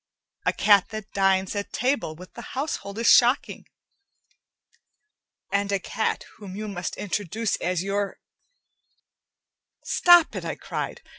A cat that dines at table with the household is shocking. And a cat whom you must introduce as your " "Stop it!" I cried.